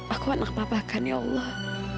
aku anak papa kan ya allah